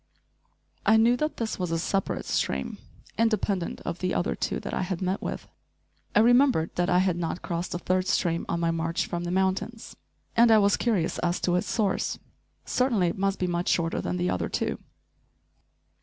I knew that this was a separate stream, independent of the other two that I had met with. I remembered that I had not crossed a third stream on my march from the mountains, and I was curious as to its source. Certainly it must be much shorter than the other two.